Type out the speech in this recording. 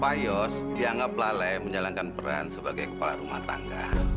payos bernama lalai menjalankan peran sebagai kepala rumah tangga